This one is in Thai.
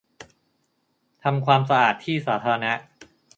ทำความสะอาดที่สาธารณะ